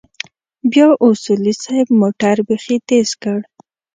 بيا اصولي صيب موټر بيخي تېز کړ.